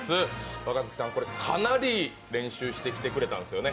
若槻さん、これ、かなり練習してきてくれたんですよね？